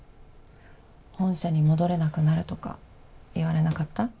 本社に戻れなくなるとか言われなかった？